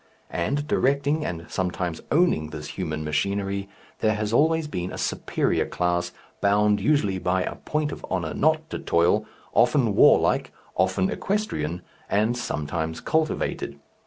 And, directing and sometimes owning this human machinery, there has always been a superior class, bound usually by a point of honour not to toil, often warlike, often equestrian, and sometimes cultivated.